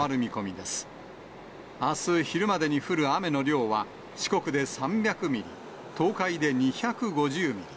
あす昼までに降る雨の量は、四国で３００ミリ、東海で２５０ミリ。